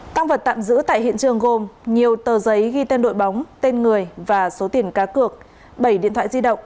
tăng vật tạm giữ tại hiện trường gồm nhiều tờ giấy ghi tên đội bóng tên người và số tiền cá cược bảy điện thoại di động